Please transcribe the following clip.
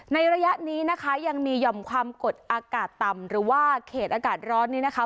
ระยะนี้นะคะยังมีหย่อมความกดอากาศต่ำหรือว่าเขตอากาศร้อนนี้นะคะ